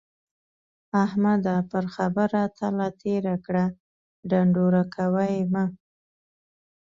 احمده! پر خبره تله تېره کړه ـ ډنډوره کوه يې مه.